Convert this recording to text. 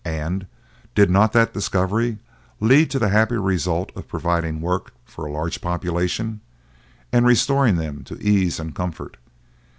And did not that discovery lead to the happy result of providing work for a large population, and restoring them to ease and comfort?